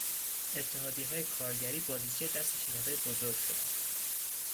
اتحادیههای کارگری بازیچهی دست شرکتهای بزرگ شدند.